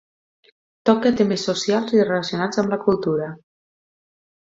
Toca temes socials i relacionats amb la cultura.